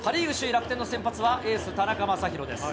楽天の先発はエース、田中将大です。